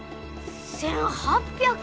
１，８００！？